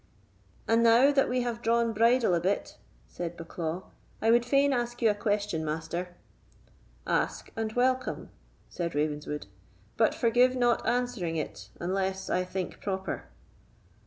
"And now that we have drawn bridle a bit," said Bucklaw, "I would fain ask you a question, Master." "Ask and welcome," said Ravenswood, "but forgive not answering it, unless I think proper."